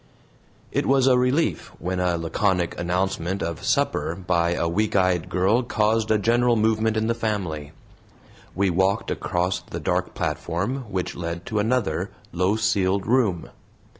It was a relief when a laconic announcement of supper by a weak eyed girl caused a general movement in the family. We walked across the dark platform, which led to another low ceiled room.